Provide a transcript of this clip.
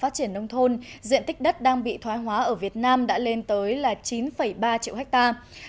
phát triển nông thôn diện tích đất đang bị thoái hóa ở việt nam đã lên tới chín ba triệu hectare